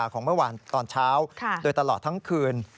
ของเมื่อวานตอนเช้าโดยตลอดทั้งคืน